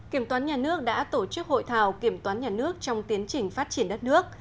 kiểm toán nhà nước đã tổ chức hội thảo kiểm toán nhà nước trong tiến trình phát triển đất nước